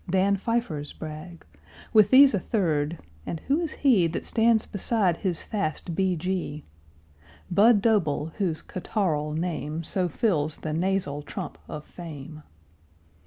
Dan Pfeiffer's brag, With these a third and who is he That stands beside his fast b. g.? Budd Doble, whose catarrhal name So fills the nasal trump of fame.